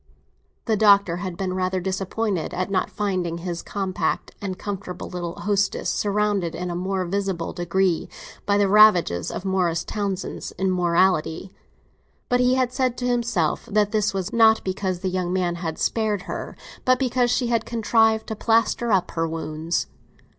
The Doctor had been rather disappointed at not finding his compact and comfortable little hostess surrounded in a more visible degree by the ravages of Morris Townsend's immorality; but he had said to himself that this was not because the young man had spared her, but because she had contrived to plaster up her wounds.